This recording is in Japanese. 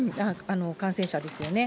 感染者ですよね。